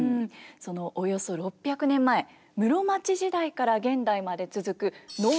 そのおよそ６００年前室町時代から現代まで続く能と狂言。